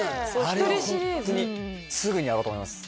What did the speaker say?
あれはホントにすぐにやろうと思います